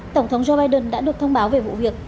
tổng thống joe biden đã được thông báo về vụ việc